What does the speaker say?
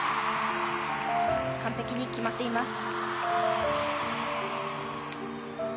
完璧に決まっています。